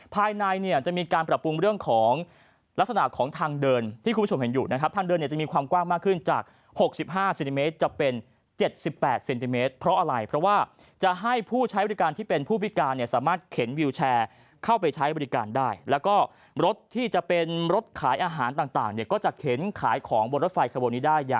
ภายในเนี่ยจะมีการปรับปรุงเรื่องของลักษณะของทางเดินที่คุณผู้ชมเห็นอยู่นะครับทางเดินเนี่ยจะมีความกว้างมากขึ้นจาก๖๕เซนติเมตรจะเป็น๗๘เซนติเมตรเพราะอะไรเพราะว่าจะให้ผู้ใช้บริการที่เป็นผู้พิการเนี่ยสามารถเข็นวิวแชร์เข้าไปใช้บริการได้แล้วก็รถที่จะเป็นรถขายอาหารต่างเนี่ยก็จะเข็นขายของบนรถไฟขบวนนี้ได้อย่าง